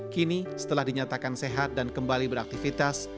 kini setelah dinyatakan sehat dan kembali beraktivitas